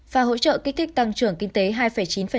và hỗ trợ kích thích tăng trưởng kinh tế hai chín